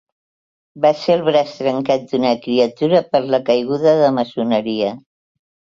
Va ser el braç trencat d'una criatura per la caiguda de maçoneria.